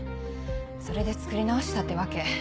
それで作り直したってわけ。